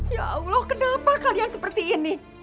ya allah kenapa kalian seperti ini